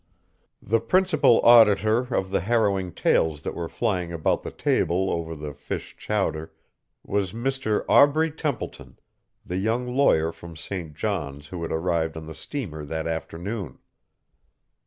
The principal auditor of the harrowing tales that were flying about the table over the fish chowder was Mr. Aubrey Templeton, the young lawyer from St. John's who had arrived on the steamer that afternoon.